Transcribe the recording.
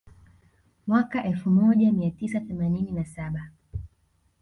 Mwaka elfu moja mia tisa themanini na saba